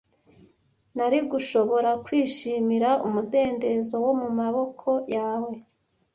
nari gushobora kwishimira umudendezo mu maboko yawe